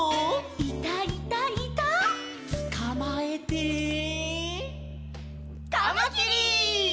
「いたいたいた」「つかまえて」「かまきり！」